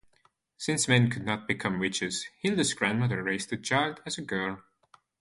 Since men could not become witches, Hilde's grandmother raised the child as a girl.